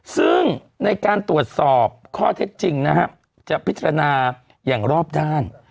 ซึ่งในการตรวจสอบข้อเท็จจริงนะฮะจะพิจารณาอย่างรอบด้าน